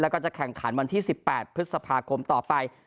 แล้วก็จะแข่งขันวันที่๑๘พฤษภาคมต่อไป